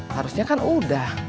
harusnya kan udah